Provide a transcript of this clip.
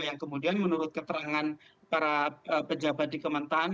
yang kemudian menurut keterangan para pejabat di kementerian